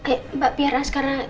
eh mbak piar askara